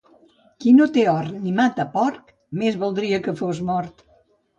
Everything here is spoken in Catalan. Qui no té hort ni mata porc, més valdria que fos mort.